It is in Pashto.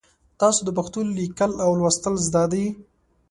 تاسو د پښتو لیکل او لوستل زده دي؟